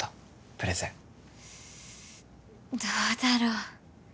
プレゼンどうだろうでも